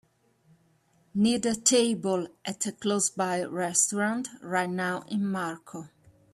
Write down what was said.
need a table at a close-by restaurant right now in Marco